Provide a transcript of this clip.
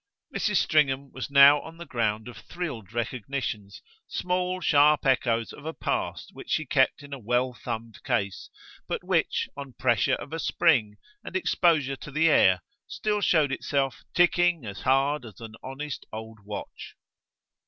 Mrs. Stringham was now on the ground of thrilled recognitions, small sharp echoes of a past which she kept in a well thumbed case, but which, on pressure of a spring and exposure to the air, still showed itself ticking as hard as an honest old watch.